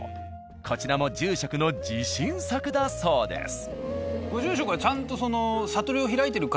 こちらも住職の自信作だそうです。